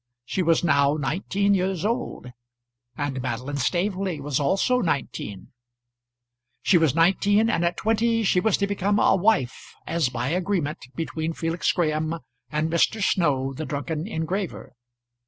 She was now nineteen years old, and Madeline Staveley was also nineteen; she was nineteen, and at twenty she was to become a wife, as by agreement between Felix Graham and Mr. Snow, the drunken engraver.